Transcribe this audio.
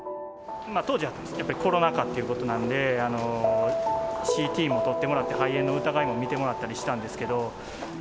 当時はやっぱりコロナ禍ということなんで、ＣＴも撮ってもらって、肺炎の疑いも診てもらったりしたんですけど。